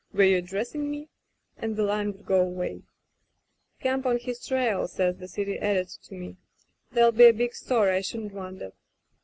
Were you addressing me?* — ^and the lion would go away. ... "*Camp on his trail,' says the city editor to me; 'diere'll be a big story, I shouldn't wonder.'